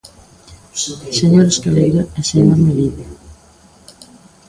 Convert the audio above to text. Señor Escaleira e señor Melide.